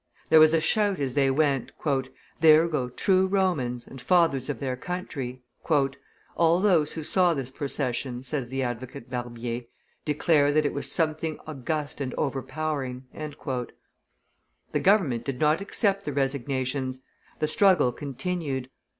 There was a shout as they went, "There go true Romans, and fathers of their country!" "All those who saw this procession," says the advocate Barbier, "declare that it was something august and overpowering." The government did not accept the resignations; the struggle continued.